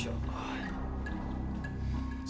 sama seperti tuh